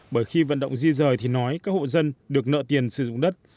bởi khi vận động di rời thì nói các hộ dân được nợ tiền sử dụng đất